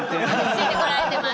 ついて来られてます。